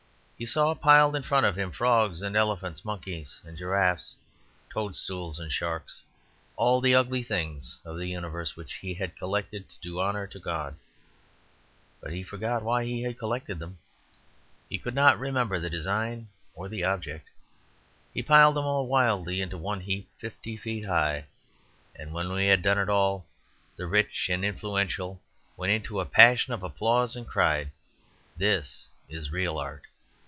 He saw piled in front of him frogs and elephants, monkeys and giraffes, toadstools and sharks, all the ugly things of the universe which he had collected to do honour to God. But he forgot why he had collected them. He could not remember the design or the object. He piled them all wildly into one heap fifty feet high; and when he had done it all the rich and influential went into a passion of applause and cried, "This is real art!